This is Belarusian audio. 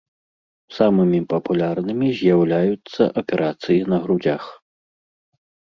Самымі папулярнымі з'яўляюцца аперацыі на грудзях.